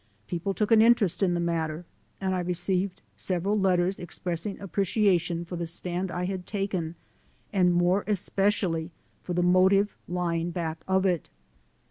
People took an interest in the matter and I received several letters express ing appreciation for the stand I had taken and more especially for the motive lying back of it.